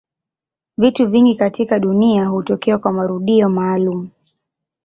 Vitu vingi katika dunia hutokea kwa marudio maalumu.